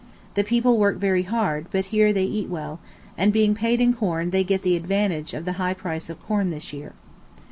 The people work very hard, but here they eat well, and being paid in corn they get the advantage of the high price of corn this year.